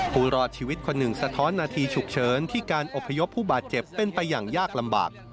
ผู้รอดชีวิตคนหนึ่งสะท้อนนาทีฉุกเฉินที่การอบพยพผู้บาดเจ็บเป็นไปอย่างยากลำบาก